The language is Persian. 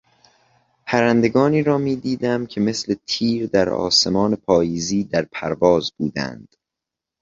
پرندگانی را میدیدم که مثل تیر در آسمان پاییزی در پرواز بودند.